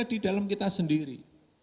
di dalam kita sendiri